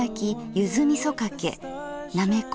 ゆずみそかけなめこ